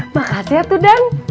makasih atu dan